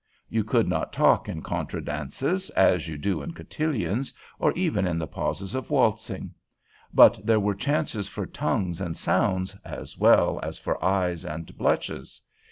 You could not talk in contra dances, as you do in cotillions, or even in the pauses of waltzing; but there were chances for tongues and sounds, as well as for eyes and blushes.